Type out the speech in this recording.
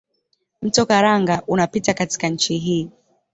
Mto Karanga unapita katika nchi hii.